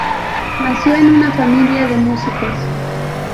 Nació en una familia de músicos.